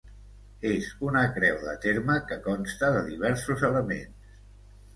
És una creu de terme que consta de diversos elements.